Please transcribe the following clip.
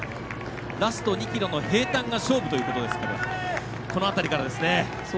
ラスト２ｋｍの平たんが勝負ということなのでこの辺りからですね。